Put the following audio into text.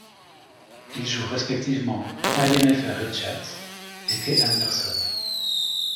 Ils jouent respectivement Ally Mayfair-Richards et Kai Anderson.